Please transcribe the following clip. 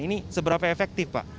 ini seberapa efektif pak